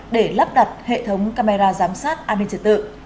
để lắp đặt hệ thống camera giám sát an ninh trật tự